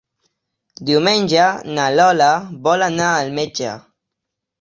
Diumenge na Lola vol anar al metge.